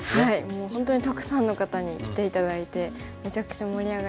もう本当にたくさんの方に来て頂いてめちゃくちゃ盛り上がりましたね。